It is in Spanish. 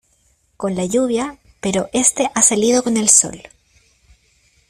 con la lluvia, pero este ha salido con el sol